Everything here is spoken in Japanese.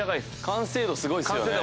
完成度すごいですよね。